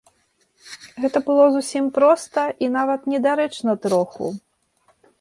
Гэта было зусім проста і нават недарэчна троху.